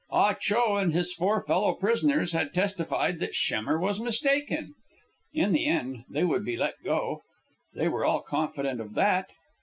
Ah Cho and his four fellow prisoners had testified that Schemmer was mistaken. In the end they would be let go. They were all confident of that.